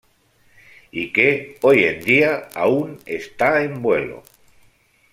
Y que, hoy en día, aún está en vuelo.